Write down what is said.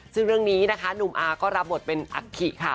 ซึ่งเรื่องนี้นะคะหนุ่มอาก็รับบทเป็นอัคคิค่ะ